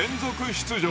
出場